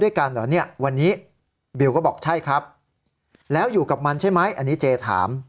วันนี้บิวก็บอกใช่ครับแล้วอยู่กับมันใช่ไหมอันนี้เจย์ถาม